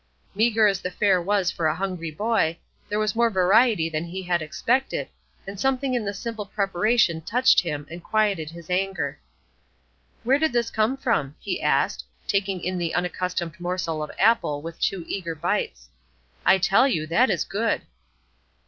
Meagre as the fare was for a hungry boy, there was more variety than he had expected, and something in the simple preparation touched him, and quieted his anger. "Where did this come from?" he asked, taking in the unaccustomed morsel of apple with two eager bites. "I tell you, that is good!"